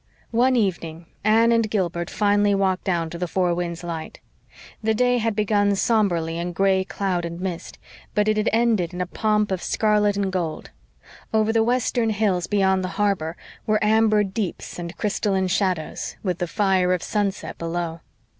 One evening Anne and Gilbert finally walked down to the Four Winds light. The day had begun sombrely in gray cloud and mist, but it had ended in a pomp of scarlet and gold. Over the western hills beyond the harbor were amber deeps and crystalline shallows, with the fire of sunset below.